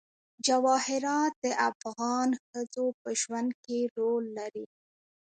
جواهرات د افغان ښځو په ژوند کې رول لري.